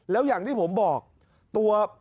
แล้วอย่างที่ผมบอกตัว